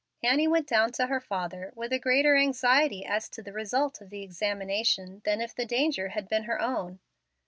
Annie went down to her father with a greater anxiety as to the result of the examination than if the danger had been her own.